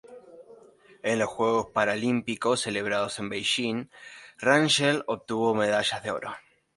En los Juegos Paralímpicos celebrados en Beijing, Rangel obtuvo medalla de oro.